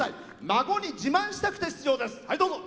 孫に自慢したくて出場です。